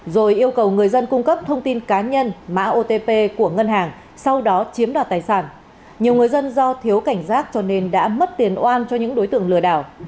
rồi yêu cầu người dân cung cấp thông tin cá nhân mã otp của ngân hàng sau đó chiếm đoạt tài sản nhiều người dân do thiếu cảnh giác cho nên đã mất tiền oan cho những đối tượng lừa đảo